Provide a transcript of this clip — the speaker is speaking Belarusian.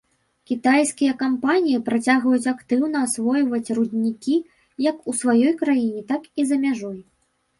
Кітайскія кампаніі працягваюць актыўна асвойваць руднікі як у сваёй краіне, так і за мяжой.